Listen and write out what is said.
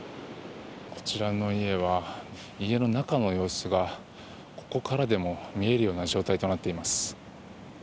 こちらの家は家の中の様子がここからでも見えるような状態となっています。